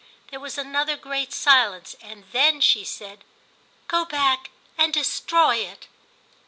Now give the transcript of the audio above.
There was another great silence, and then she said "Go back and destroy it."